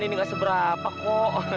ini gak seberapa kok